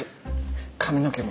髪の毛も。